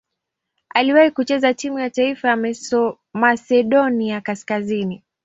Aliwahi kucheza timu ya taifa ya Masedonia Kaskazini.